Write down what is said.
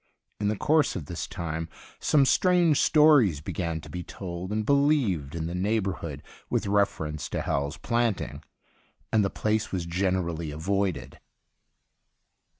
In the course of this time some strange stories began to be told and believed in the neighbourhood with reference 122 THE UNDYING THING to Hal's Planting, and the place was generally avoided.